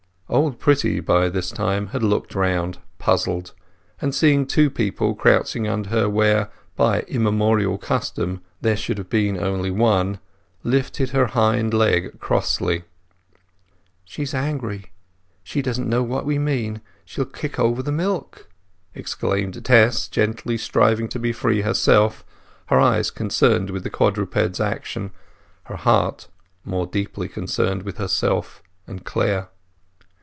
Old Pretty by this time had looked round, puzzled; and seeing two people crouching under her where, by immemorial custom, there should have been only one, lifted her hind leg crossly. "She is angry—she doesn't know what we mean—she'll kick over the milk!" exclaimed Tess, gently striving to free herself, her eyes concerned with the quadruped's actions, her heart more deeply concerned with herself and Clare.